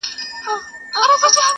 د زمانې دتوپانو په وړاندي وم لکه غر .